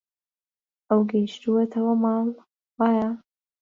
ئەو گەیشتووەتەوە ماڵ، وایە؟